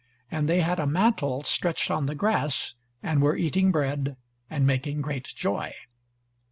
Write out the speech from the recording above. And they had a mantle stretched on the grass, and were eating bread, and making great joy.